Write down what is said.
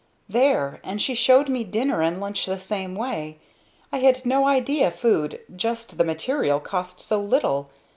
"There! And she showed me dinner and lunch the same way. I had no idea food, just the material, cost so little.